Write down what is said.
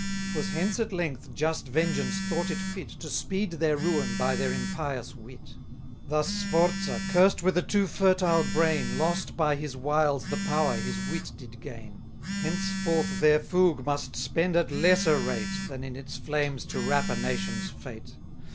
'Twas hence at length just vengeance thought it fit To speed their ruin by their impious wit. 200 Thus Sforza, cursed with a too fertile brain, Lost by his wiles the power his wit did gain. Henceforth their fougue must spend at lesser rate, Than in its flames to wrap a nation's fate.